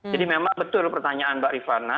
jadi memang betul pertanyaan mbak rifana